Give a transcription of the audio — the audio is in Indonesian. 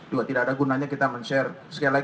juga tidak ada gunanya kita men share